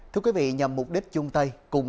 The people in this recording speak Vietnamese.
thưa quý vị nhằm mục đích chung tay